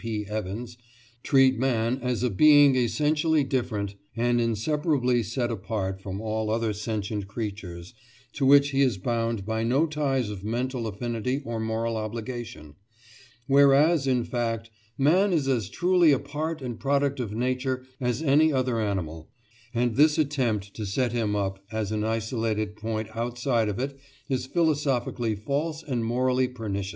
P. Evans, "treat man as a being essentially different and inseparably set apart from all other sentient creatures, to which he is bound by no ties of mental affinity or moral obligation"; whereas, in fact, "man is as truly a part and product of Nature as any other animal, and this attempt to set him up as an isolated point outside of it is philosophically false and morally pernicious."